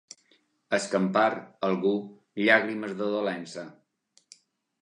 Escampar, algú, llàgrimes de dolença.